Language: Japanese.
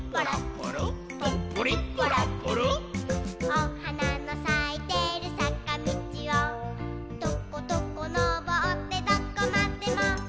「おはなのさいてるさかみちをとことこのぼってどこまでも」